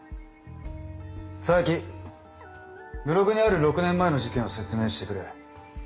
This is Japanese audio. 佐伯ブログにある６年前の事件を説明してくれ。